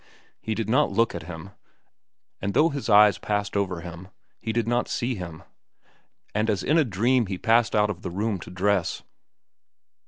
He did not look at him, and though his eyes passed over him, he did not see him; and as in a dream he passed out of the room to dress.